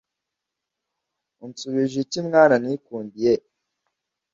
unshubije iki mwana nikundiye